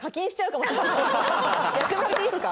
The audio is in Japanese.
やってもらっていいですか？